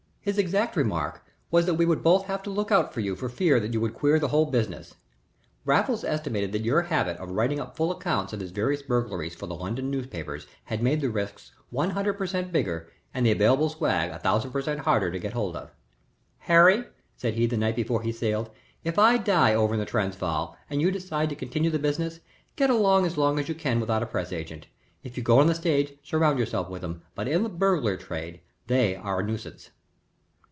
His exact remark was that we would both have to look out for you for fear you would queer the whole business. Raffles estimated that your habit of writing up full accounts of his various burglaries for the London magazines had made the risks one hundred per cent. bigger and the available swag a thousand per cent. harder to get hold of. 'Harry,' said he the night before he sailed, 'if I die over in the Transvaal and you decide to continue the business, get along as long as you can without a press agent. If you go on the stage, surround yourself with 'em, but in the burglary trade they are a nuisance.'"